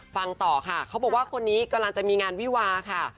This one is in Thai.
ฟังต่อค่ะเขาบอกว่าคนนี้กำลังจะมีงานวิวาค่ะ